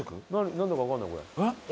なんだかわかんないこれ。